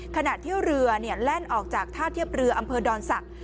ขณะที่เรือแล่นออกจากท่าเทียบเรืออำเภอดอนศักดิ